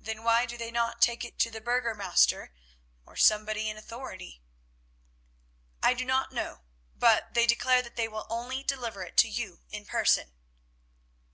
"Then why do they not take it to the Burgomaster, or somebody in authority?" "I don't know, but they declare that they will only deliver it to you in person."